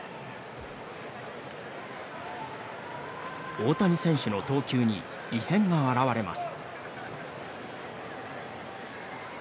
大谷選手の投球に異変が表れます。